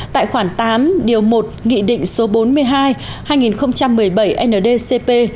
tại khoảng tám điều một nghị định số bốn mươi hai hai nghìn một mươi bảy ndcp